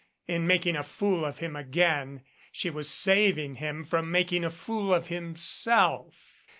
In making a fool of him again she was saving him from making a fool of himself.